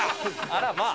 あらまあ。